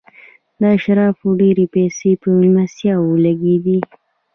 د اشرافو ډېرې پیسې په مېلمستیاوو لګېدې.